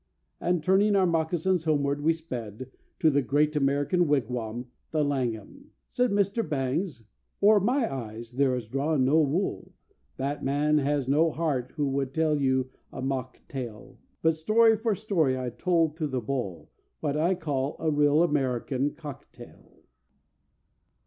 And turning our mocassins homeward, we sped To that great American wigwam, the Langham. Said Bangs, "O'er my eyes there is drawn no wool. That man has no heart who would tell you a mock tale; But story for story I told to the Bull, What I call a real American cocktail."